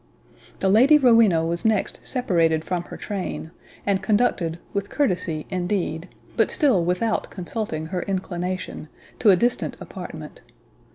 The Lady Rowena was next separated from her train, and conducted, with courtesy, indeed, but still without consulting her inclination, to a distant apartment.